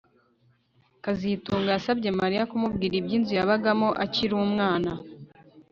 kazitunga yasabye Mariya kumubwira ibyinzu yabagamo akiri umwana